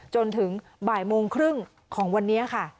จนถึงบ่ายโมงครึ่งของวันนี้ค่ะ